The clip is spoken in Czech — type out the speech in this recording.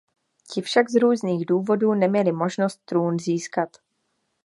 Ti však z různých důvodů neměli možnost trůn získat.